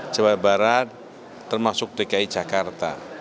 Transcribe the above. jawa barat termasuk dki jakarta